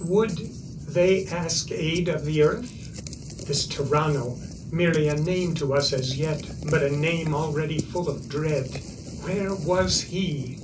Would they ask aid of the Earth? This Tarrano merely a name to us as yet, but a name already full of dread. Where was he?